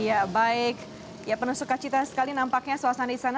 ya baik ya penuh sukacita sekali nampaknya suasana di sana